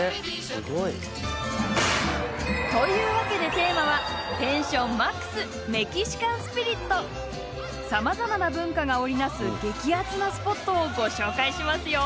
すごい。というわけでテーマはさまざまな文化が織り成す激熱なスポットをご紹介しますよ。